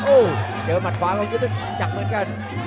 โอ้เจอหมัดขวาของยุทธิกักเหมือนกัน